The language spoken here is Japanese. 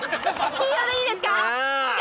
黄色でいいですか。